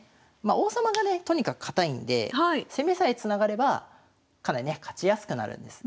王様がねとにかく堅いんで攻めさえつながればかなりね勝ちやすくなるんです。